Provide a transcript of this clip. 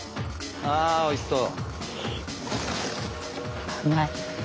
ああおいしそう。